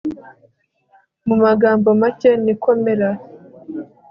mu magambo make niko mera